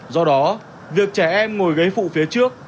do đó việc trẻ em ngồi gáy phụ phía trước